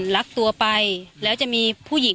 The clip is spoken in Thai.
ลักตัวไป